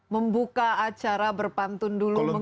membuka acara berpantun dulu